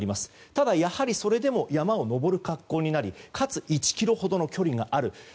ただ、やはりそれでも山を登る格好になりかつ、１ｋｍほどの距離がある。